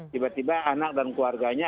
tiba tiba anak dan keluarganya